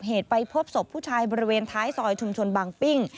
เหตุไปพบศพผู้ชายบริเวณท้ายซอยชุมชนบางปิ้ง